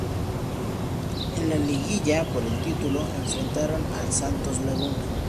En la liguilla por el título, enfrentaron al Santos Laguna.